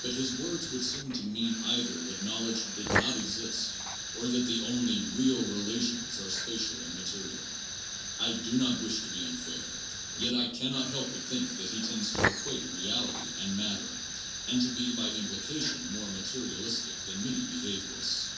But his words would seem to mean, either that knowledge did not exist or that the only real relations were spatial and material. I do not wish to be unfair. Yet I can not help but think that he tends to equate reality and matter, and to be by implication more material istic than many behaviorists.